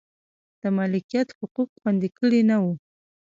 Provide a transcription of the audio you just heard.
د مالکیت حقوق خوندي کړي نه و.